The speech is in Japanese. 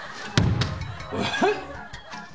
えっ⁉